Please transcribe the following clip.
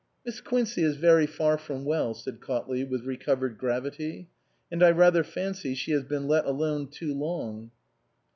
"Miss Quincey is very far from well," said Cautley with recovered gravity " and I rather fancy she has been let alone too long."